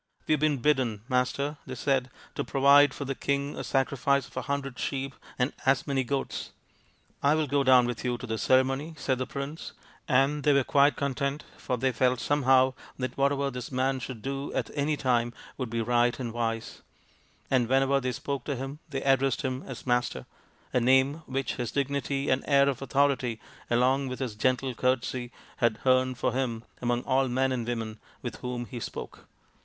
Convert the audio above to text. "We have been bidden, Master," they said, " to provide for the king a sacrifice of a hundred sheep and as many goats." " I will go down with you to this ceremony," THE PRINCE WONDERFUL 183 said the prince, and they were quite content, for they felt somehow that whatever this man should do at any time would be right and wise ; and whenever they spoke to him they addressed him as Master, a name which his dignity and air of authority, along with his gentle courtesy, had earned for him among all men and women with whom he spoke.